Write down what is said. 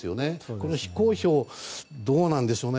この非公表どうなんでしょうね。